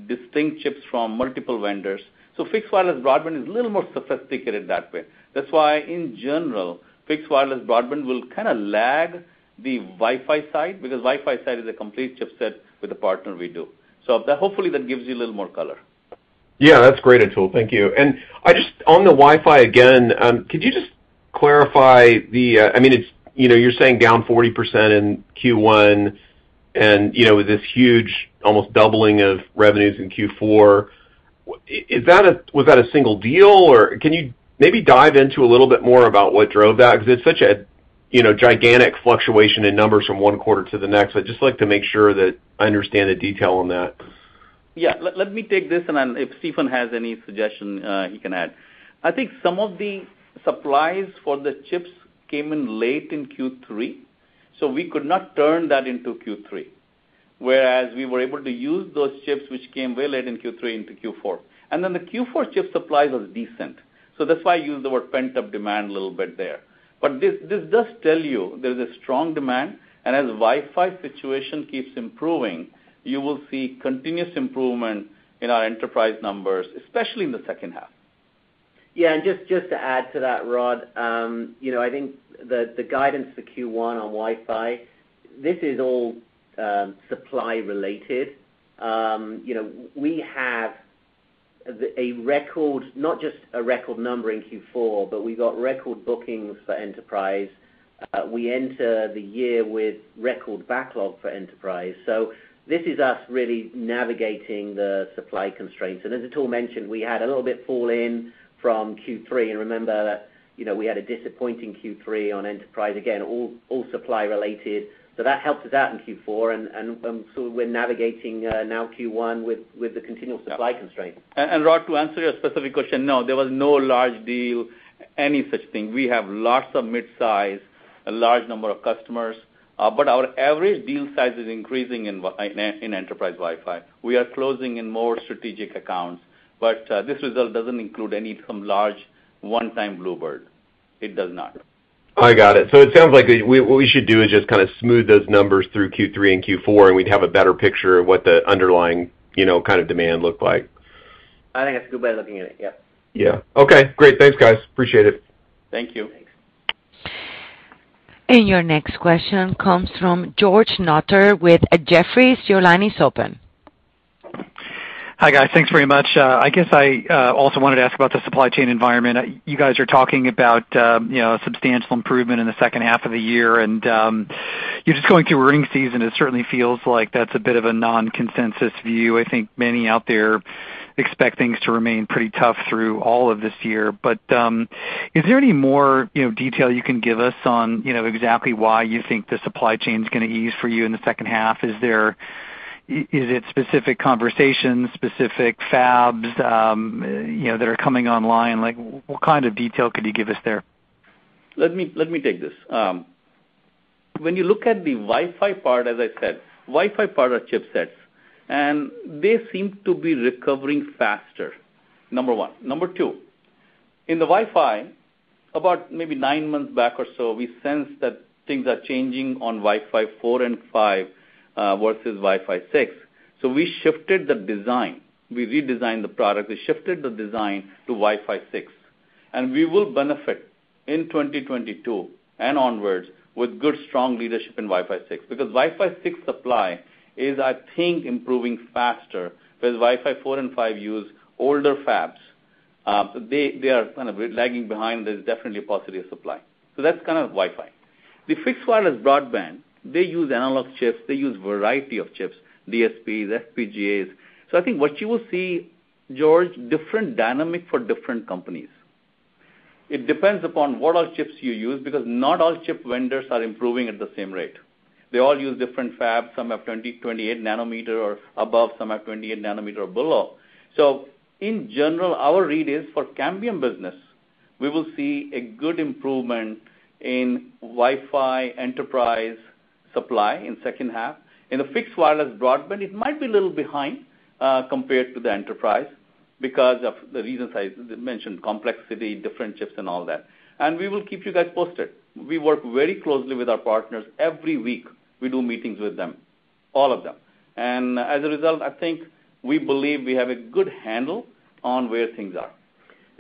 distinct chips from multiple vendors. So fixed wireless broadband is a little more sophisticated that way. That's why, in general, fixed wireless broadband will kinda lag the Wi-Fi side because Wi-Fi side is a complete chipset with the partner we do. That hopefully gives you a little more color. Yeah, that's great, Atul. Thank you. I just, on the Wi-Fi again, could you just clarify the, I mean, it's, you know, you're saying down 40% in Q1, and, you know, with this huge almost doubling of revenues in Q4, was that a single deal? Or can you maybe dive into a little bit more about what drove that? Because it's such a, you know, gigantic fluctuation in numbers from one quarter to the next. I'd just like to make sure that I understand the detail on that. Yeah. Let me take this and then if Stephen has any suggestion, he can add. I think some of the supplies for the chips came in late in Q3, so we could not turn that into Q3, whereas we were able to use those chips which came way late in Q3 into Q4. The Q4 chip supplies was decent. That's why I use the word pent-up demand a little bit there. This does tell you there's a strong demand, and as Wi-Fi situation keeps improving, you will see continuous improvement in our enterprise numbers, especially in the second half. Yeah. Just to add to that, Rod, you know, I think the guidance for Q1 on Wi-Fi, this is all supply related. You know, we have a record, not just a record number in Q4, but we got record bookings for enterprise. We enter the year with record backlog for enterprise. This is us really navigating the supply constraints. As Atul mentioned, we had a little bit fall in from Q3. Remember that, you know, we had a disappointing Q3 on enterprise, again, all supply related. That helped us out in Q4, and so we're navigating now Q1 with the continual supply constraints. Rod, to answer your specific question, no, there was no large deal, any such thing. We have lots of mid-size, a large number of customers, but our average deal size is increasing in enterprise Wi-Fi. We are closing in more strategic accounts, but this result doesn't include any from large one-time bluebird. It does not. I got it. It sounds like, what we should do is just kinda smooth those numbers through Q3 and Q4, and we'd have a better picture of what the underlying, you know, kind of demand look like. I think that's a good way of looking at it. Yep. Yeah. Okay, great. Thanks, guys. Appreciate it. Thank you. Your next question comes from George Notter with Jefferies. Your line is open. Hi, guys. Thanks very much. I guess I also wanted to ask about the supply chain environment. You guys are talking about you know, a substantial improvement in the second half of the year, and you're just going through earnings season, it certainly feels like that's a bit of a non-consensus view. I think many out there expect things to remain pretty tough through all of this year. Is there any more you know, detail you can give us on you know, exactly why you think the supply chain is gonna ease for you in the second half? Is it specific conversations, specific fabs you know, that are coming online? Like, what kind of detail could you give us there? Let me take this. When you look at the Wi-Fi part, as I said, Wi-Fi part are chipsets, and they seem to be recovering faster, number one. Number two, in the Wi-Fi, about maybe nine months back or so, we sensed that things are changing on Wi-Fi 4 and 5 versus Wi-Fi 6. We shifted the design. We redesigned the product. We shifted the design to Wi-Fi 6, and we will benefit in 2022 and onwards with good, strong leadership in Wi-Fi 6. Because Wi-Fi 6 supply is, I think, improving faster, whereas Wi-Fi 4 and 5 use older fabs. They are kind of lagging behind. There's definitely a positive supply. That's kind of Wi-Fi. The fixed wireless broadband, they use analog chips. They use variety of chips, DSPs, FPGAs. I think what you will see, George, different dynamic for different companies. It depends upon what all chips you use because not all chip vendors are improving at the same rate. They all use different fabs. Some have 20, 28 nanometer or above, some have 28 nanometer or below. In general, our read is for Cambium business, we will see a good improvement in Wi-Fi enterprise supply in second half. In the fixed wireless broadband, it might be a little behind, compared to the enterprise because of the reasons I mentioned, complexity, different chips and all that. We will keep you guys posted. We work very closely with our partners. Every week, we do meetings with them, all of them. As a result, I think we believe we have a good handle on where things are.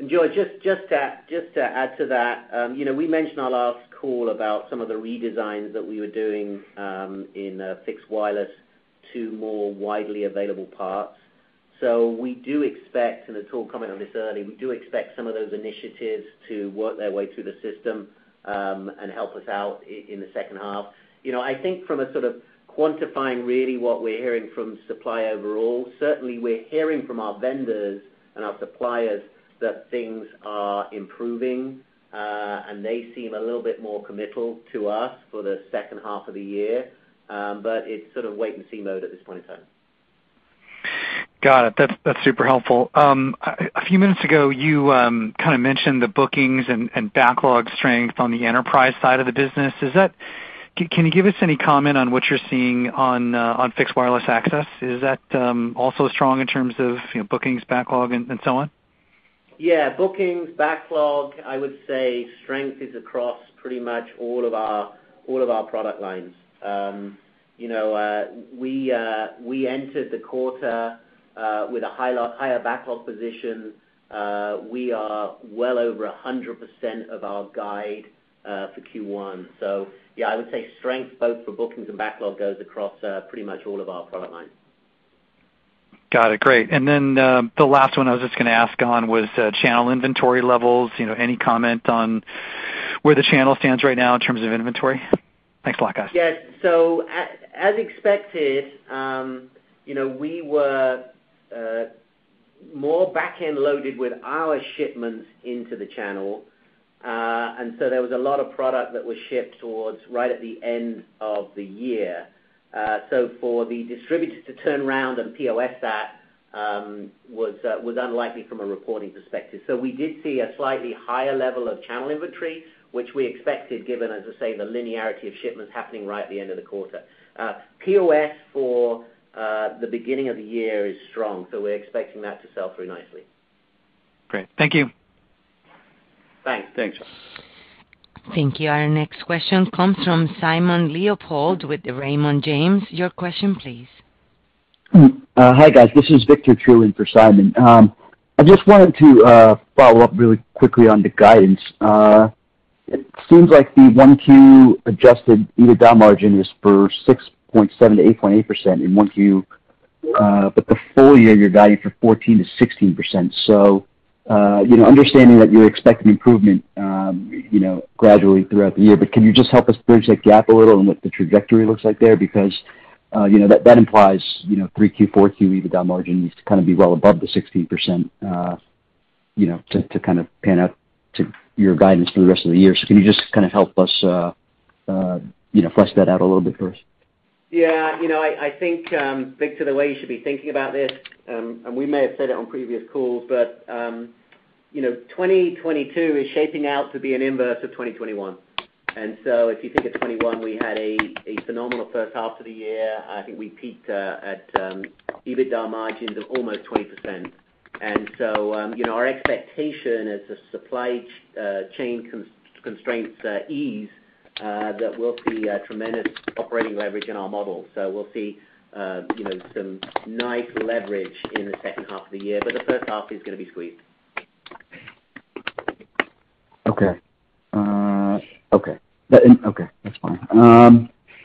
George, just to add to that, you know, we mentioned on our last call about some of the redesigns that we were doing in fixed wireless to more widely available parts. We do expect, and Atul commented on this earlier, we do expect some of those initiatives to work their way through the system, and help us out in the second half. You know, I think from a sort of quantifying really what we're hearing from supply overall, certainly we're hearing from our vendors and our suppliers that things are improving, and they seem a little bit more committal to us for the second half of the year. But it's sort of wait and see mode at this point in time. Got it. That's super helpful. A few minutes ago, you kind of mentioned the bookings and backlog strength on the enterprise side of the business. Can you give us any comment on what you're seeing on fixed wireless access? Is that also strong in terms of, you know, bookings, backlog, and so on? Yeah. Bookings, backlog, I would say strength is across pretty much all of our product lines. You know, we entered the quarter with a higher backlog position. We are well over 100% of our guide for Q1. Yeah, I would say strength both for bookings and backlog goes across pretty much all of our product lines. Got it. Great. The last one I was just gonna ask on was channel inventory levels. You know, any comment on where the channel stands right now in terms of inventory? Thanks a lot, guys. Yes. As expected, you know, we were more back-end loaded with our shipments into the channel. There was a lot of product that was shipped towards right at the end of the year. For the distributors to turn around and POS that was unlikely from a reporting perspective. We did see a slightly higher level of channel inventory, which we expected given, as I say, the linearity of shipments happening right at the end of the quarter. POS for the beginning of the year is strong, so we're expecting that to sell very nicely. Great. Thank you. Thanks. Thank you. Our next question comes from Simon Leopold with Raymond James. Your question please. Hi, guys. This is Victor Chiu on for Simon. I just wanted to follow up really quickly on the guidance. It seems like the 1Q Adjusted EBITDA margin is for 6.7%-8.8% in 1Q. But the full year, you're guiding for 14%-16%. You know, understanding that you expect an improvement, you know, gradually throughout the year, but can you just help us bridge that gap a little and what the trajectory looks like there? Because, you know, that implies, you know, 3Q, 4Q EBITDA margin needs to kind of be well above the 16%, you know, to kind of pan out to your guidance for the rest of the year. Can you just kinda help us, you know, flesh that out a little bit for us? Yeah. You know, I think, Victor, the way you should be thinking about this, and we may have said it on previous calls, but, you know, 2022 is shaping out to be an inverse of 2021. If you think of 2021, we had a phenomenal first half of the year. I think we peaked at EBITDA margins of almost 20%. You know, our expectation as the supply chain constraints ease that we'll see a tremendous operating leverage in our model. We'll see, you know, some nice leverage in the second half of the year, but the first half is gonna be squeezed. Okay, that's fine.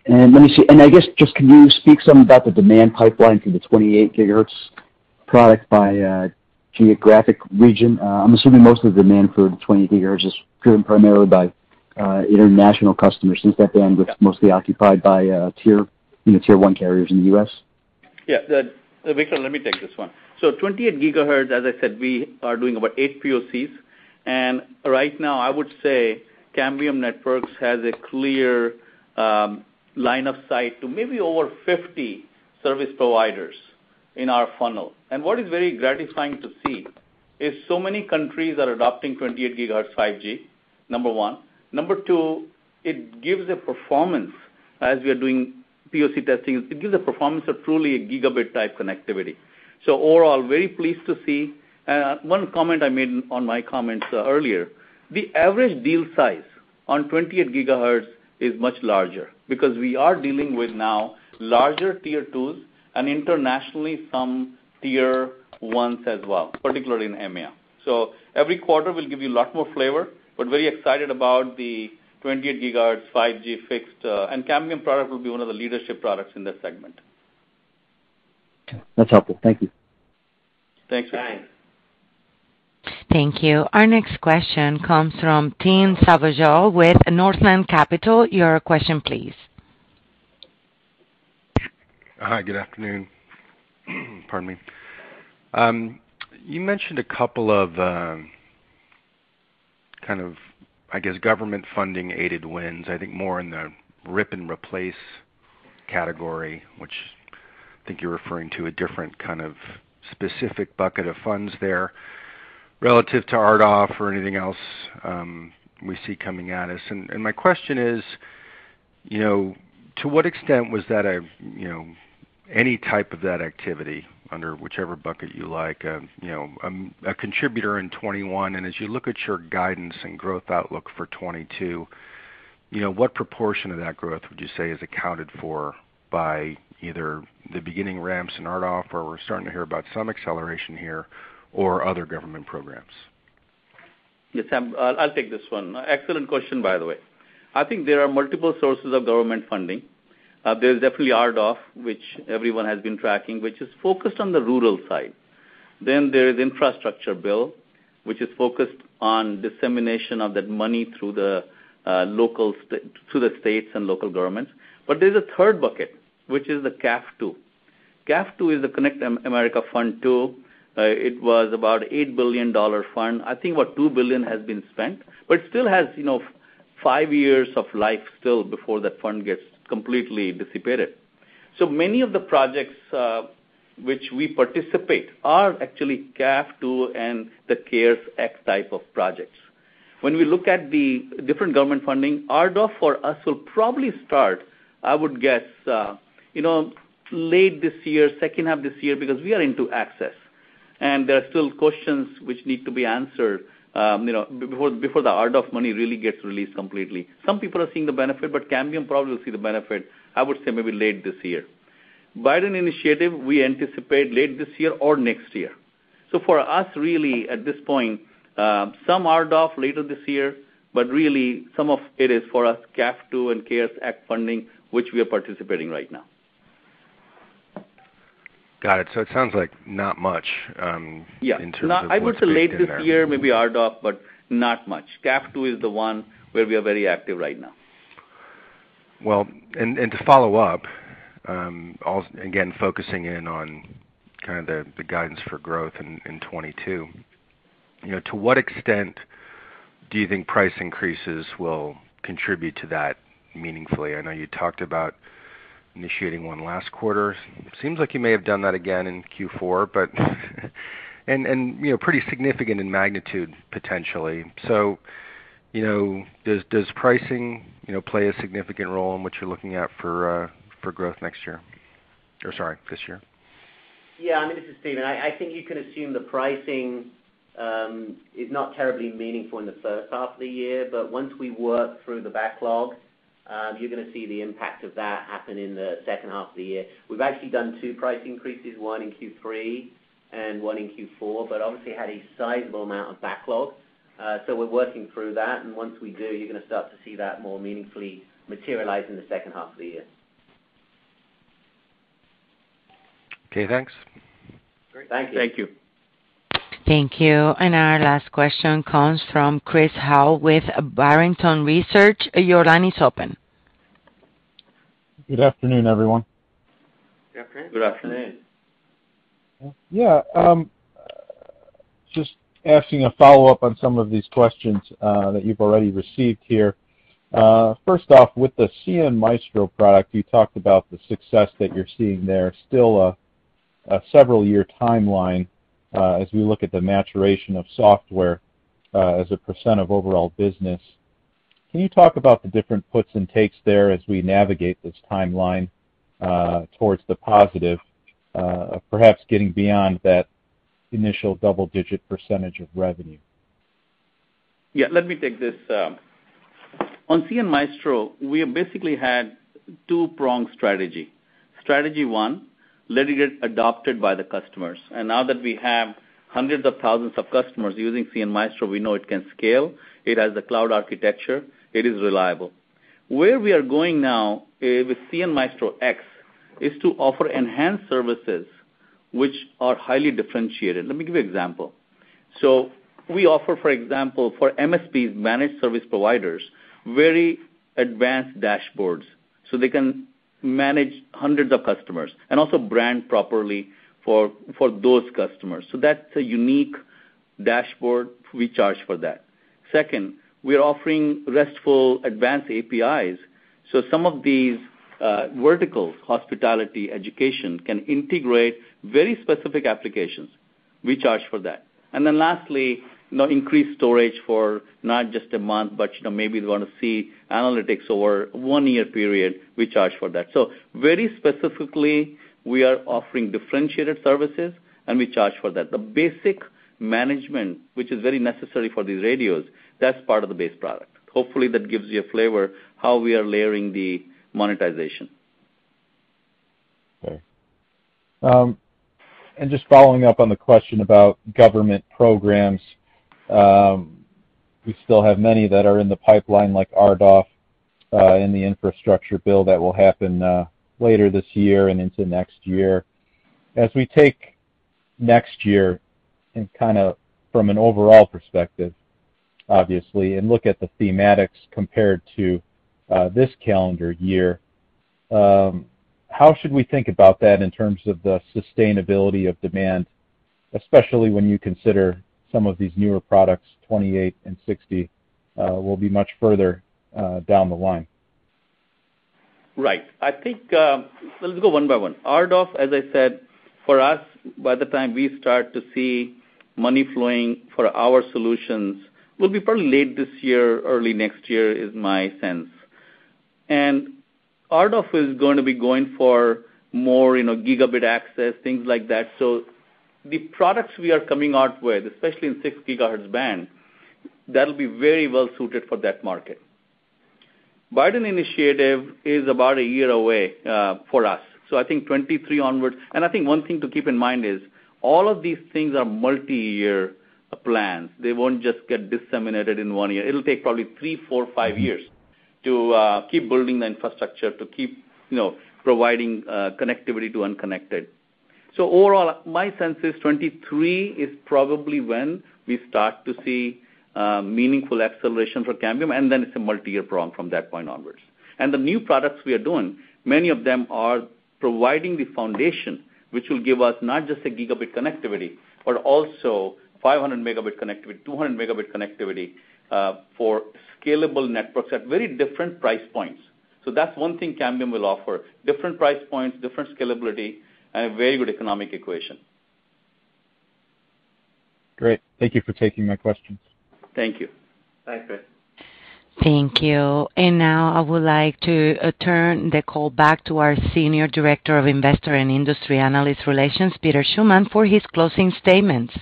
Let me see. I guess just can you speak some about the demand pipeline for the 28 GHz product by geographic region? I'm assuming most of the demand for 20 GHz is driven primarily by international customers since that band was mostly occupied by tier one carriers in the U.S. Yeah. Victor, let me take this one. 28 GHz, as I said, we are doing about eight POCs. Right now, I would say Cambium Networks has a clear line of sight to maybe over 50 service providers in our funnel. What is very gratifying to see is so many countries are adopting 28 GHz 5G, number one. Number two, it gives a performance, as we are doing POC testing, of truly a gigabit type connectivity. Overall, very pleased to see. One comment I made on my comments earlier, the average deal size on 28 GHz is much larger because we are dealing with now larger tier twos and internationally some tier ones as well, particularly in EMEA. Every quarter will give you a lot more flavor, but very excited about the 28 GHz 5G fixed. Cambium product will be one of the leadership products in this segment. That's helpful. Thank you. Thanks. Thanks. Thank you. Our next question comes from Tim Savageaux with Northland Capital. Your question please. Hi, good afternoon. Pardon me. You mentioned a couple of kind of, I guess, government funding aided wins, I think more in the rip and replace category, which I think you're referring to a different kind of specific bucket of funds there relative to RDOF or anything else, we see coming at us. My question is, you know, to what extent was that a, you know, any type of that activity under whichever bucket you like, you know, a contributor in 2021, and as you look at your guidance and growth outlook for 2022, you know, what proportion of that growth would you say is accounted for by either the beginning ramps in RDOF or we're starting to hear about some acceleration here or other government programs? Yes, Tim, I'll take this one. Excellent question, by the way. I think there are multiple sources of government funding. There's definitely RDOF, which everyone has been tracking, which is focused on the rural side. Then, there is infrastructure bill, which is focused on dissemination of that money through the states and local governments. There's a third bucket, which is the CAF II. CAF II is the Connect America Fund II. It was about $8 billion fund. I think about $2 billion has been spent, but it still has, you know, five years of life still before that fund gets completely dissipated. Many of the projects which we participate are actually CAF II and the CARES Act type of projects. When we look at the different government funding, RDOF for us will probably start, I would guess, you know, late this year, second half of this year, because we are into access. There are still questions which need to be answered, you know, before the RDOF money really gets released completely. Some people are seeing the benefit, but Cambium probably will see the benefit, I would say maybe late this year. Biden initiative, we anticipate late this year or next year. For us, really, at this point, some RDOF later this year, but really some of it is for us CAF II and CARES Act funding, which we are participating right now. Got it. It sounds like not much. Yeah. in terms of what's been in there. No, I would say late this year, maybe RDOF, but not much. CAF II is the one where we are very active right now. Well. To follow up, again, focusing in on kind of the guidance for growth in 2022. You know, to what extent do you think price increases will contribute to that meaningfully? I know you talked about initiating one last quarter. It seems like you may have done that again in Q4, but you know, pretty significant in magnitude potentially. You know, does pricing play a significant role in what you're looking at for growth next year? Or sorry, this year. Yeah. I mean, this is Stephen. I think you can assume the pricing is not terribly meaningful in the first half of the year. But once we work through the backlog, you're gonna see the impact of that happen in the second half of the year. We've actually done two price increases, one in Q3 and one in Q4, but obviously had a sizable amount of backlog. We're working through that, and once we do, you're gonna start to see that more meaningfully materialize in the second half of the year. Okay, thanks. Great. Thank you. Thank you. Thank you. Our last question comes from Chris Howe with Barrington Research. Your line is open. Good afternoon, everyone. Good afternoon. Good afternoon. Yeah. Just asking a follow-up on some of these questions that you've already received here. First off, with the cnMaestro product, you talked about the success that you're seeing there. Still a several-year timeline as we look at the maturation of software as a percent of overall business. Can you talk about the different puts and takes there as we navigate this timeline towards the positive, perhaps getting beyond that initial double-digit percentage of revenue? Yeah, let me take this. On cnMaestro, we have basically had two-prong strategy. Strategy one, let it get adopted by the customers. Now that we have hundreds of thousands of customers using cnMaestro, we know it can scale, it has the cloud architecture, it is reliable. Where we are going now with cnMaestro X is to offer enhanced services which are highly differentiated. Let me give you example. We offer, for example, for MSPs, managed service providers, very advanced dashboards so they can manage hundreds of customers and also brand properly for those customers. That's a unique dashboard, we charge for that. Second, we are offering RESTful advanced APIs, so some of these verticals, hospitality, education, can integrate very specific applications. We charge for that. Lastly, you know, increased storage for not just a month, but, you know, maybe they wanna see analytics over one-year period. We charge for that. Very specifically, we are offering differentiated services, and we charge for that. The basic management, which is very necessary for these radios, that's part of the base product. Hopefully, that gives you a flavor how we are layering the monetization. Just following up on the question about government programs, we still have many that are in the pipeline like RDOF, and the infrastructure bill that will happen later this year and into next year. As we take next year and kinda from an overall perspective, obviously, and look at the thematics compared to this calendar year, how should we think about that in terms of the sustainability of demand, especially when you consider some of these newer products, 28 and 60, will be much further down the line? Right. I think, let's go one by one. RDOF, as I said, for us, by the time we start to see money flowing for our solutions, will be probably late this year, early next year is my sense. RDOF is gonna be going for more, you know, gigabit access, things like that. The products we are coming out with, especially in 6 GHz band, that'll be very well suited for that market. Biden initiative is about a year away, for us, so I think 2023 onwards. I think one thing to keep in mind is all of these things are multi-year plans. They won't just get disseminated in one year. It'll take probably three, four, five years to keep building the infrastructure, to keep, you know, providing connectivity to unconnected. Overall, my sense is 2023 is probably when we start to see meaningful acceleration for Cambium, and then it's a multi-year prong from that point onwards. The new products we are doing, many of them are providing the foundation which will give us not just a gigabit connectivity, but also 500 Mb connectivity, 200 Mb connectivity, for scalable networks at very different price points. That's one thing Cambium will offer, different price points, different scalability, and a very good economic equation. Great. Thank you for taking my questions. Thank you. Bye, Chris. Thank you. Now I would like to turn the call back to our Senior Director of Investor and Industry Analyst Relations, Peter Schuman, for his closing statements.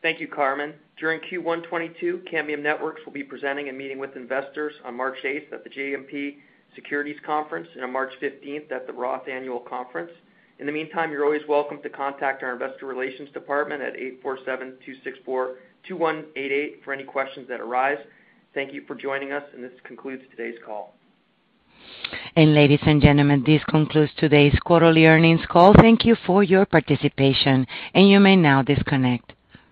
Thank you, Carmen. During Q1 2022, Cambium Networks will be presenting a meeting with investors on March 8 at the JMP Securities conference and on March 15 at the Roth annual conference. In the meantime, you're always welcome to contact our investor relations department at 847-264-2188 for any questions that arise. Thank you for joining us, and this concludes today's call. Ladies and gentlemen, this concludes today's quarterly earnings call. Thank you for your participation, and you may now disconnect.